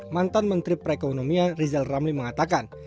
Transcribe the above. mantan menteri perekonomian rizal ramli mengatakan